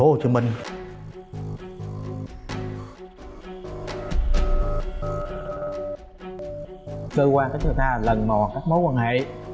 cơ quan đã cho ta lần mò các mối quan hệ